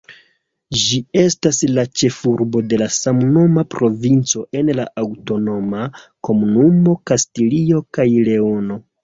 Ĝi estas la ĉefurbo de samnoma provinco en la aŭtonoma komunumo Kastilio kaj Leono.